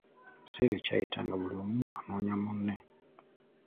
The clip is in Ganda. Ekiseera kyayita nga buli omu anoonya munne .